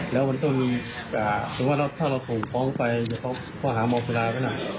แล้วมันก็มีการถ้าเราถูกฟ้องไปเพราะหาม้าวเวลาก็น่ะ